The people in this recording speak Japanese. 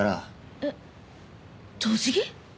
えっ栃木？